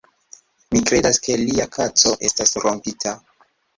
Mi kredas, ke lia kaco estas rompita